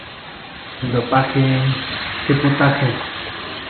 El dopaje... ¡Que potaje!